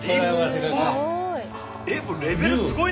えすごい！